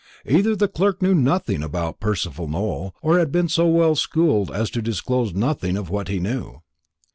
Either the clerk knew nothing about Percival Nowell, or had been so well schooled as to disclose nothing of what he knew.